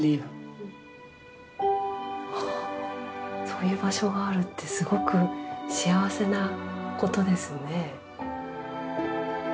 そういう場所があるってすごく幸せなことですね。